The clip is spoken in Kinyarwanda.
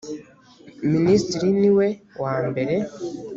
minisitiri niwe wambere